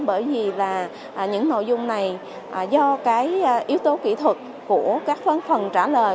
bởi vì những nội dung này do yếu tố kỹ thuật của các phần trả lời